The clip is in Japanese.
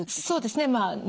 そうですね。